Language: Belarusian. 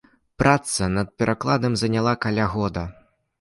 Праца над перакладам заняла каля года.